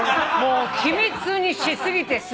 もう秘密にし過ぎて。